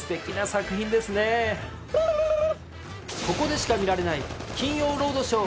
ここでしか見られない。